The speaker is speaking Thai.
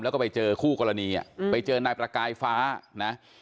แล้วก็ไปเจอคู่กรณีไปเจอนายประกายฟ้านะ